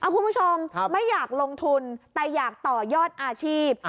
คุณผู้ชมไม่อยากลงทุนแต่อยากต่อยอดอาชีพ